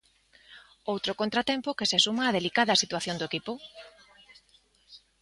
Outro contratempo que se suma á delicada situación do equipo.